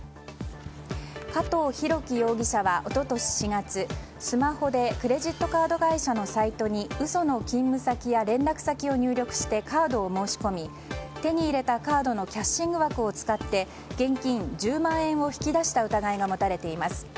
加藤浩樹容疑者は一昨年４月スマホでクレジットカード会社のサイトに嘘の勤務先や連絡先を入力してカードを申し込み手に入れたカードのキャッシング枠を使って現金１０万円を引き出した疑いが持たれています。